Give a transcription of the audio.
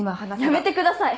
やめてください！